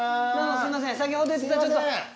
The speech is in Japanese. すいません。